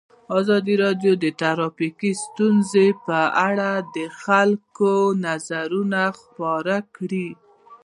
ازادي راډیو د ټرافیکي ستونزې په اړه د خلکو نظرونه خپاره کړي.